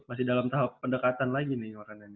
masih dalam tahap pendekatan lagi nih